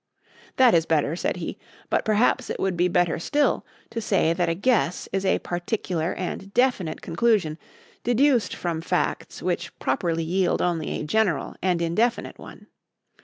"That is better," said he; "but perhaps it would be better still to say that a guess is a particular and definite conclusion deduced from facts which properly yield only a general and indefinite one.